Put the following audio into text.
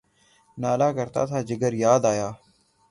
نالہ کرتا تھا، جگر یاد آیا